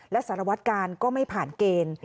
และสารวัตกาลก็ไม่ผ่านเกณฑ์